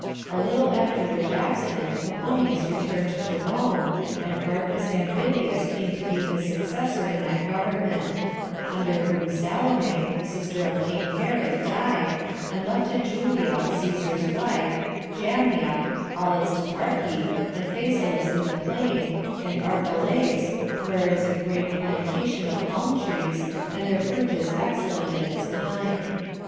A little after which accident Coponius returned to Rome, and Marcus Ambivius came to be his successor in that government; under whom Salome, the sister of king Herod, died, and left to Julia, [Cæsar's wife,] Jamnia, all its toparchy, and Phasaelis in the plain, and Arehelais, where is a great plantation of palm trees, and their fruit is excellent in its kind.